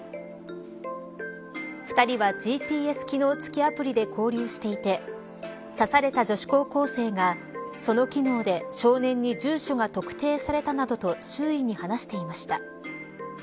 ２人はＧＰＳ機能付きアプリで交流していて刺された女子高校生がその機能で少年に住所が特定されたなどと周囲に話していました。